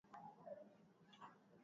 Ukisema mshindane mbona mikono unainua?